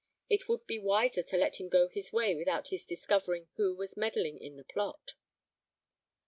It would be wiser to let him go his way without his discovering who was meddling in the plot.